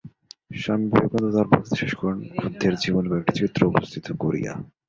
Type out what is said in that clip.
স্বামী বিবেকানন্দ তাঁহার বক্তৃতা শেষ করেন বুদ্ধের জীবনের কয়েকটি চিত্র উপস্থিত করিয়া।